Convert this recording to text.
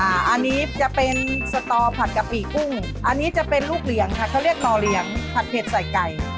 อันนี้จะเป็นสตอผัดกะปิกุ้งอันนี้จะเป็นลูกเหลียงค่ะเขาเรียกต่อเหลียงผัดเผ็ดใส่ไก่